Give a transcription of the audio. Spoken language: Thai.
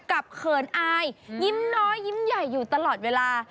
เขินอายยิ้มน้อยยิ้มใหญ่อยู่ตลอดเวลา